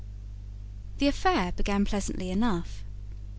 The affair began pleasantly enough.